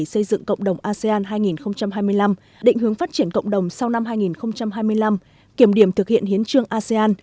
xây dựng cộng đồng asean hai nghìn hai mươi năm định hướng phát triển cộng đồng sau năm hai nghìn hai mươi năm kiểm điểm thực hiện hiến trương asean